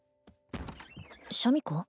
シャミ子？